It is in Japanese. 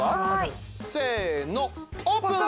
せのオープン！